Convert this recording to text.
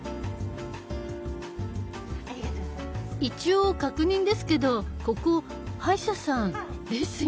一応確認ですけどここ歯医者さんですよね？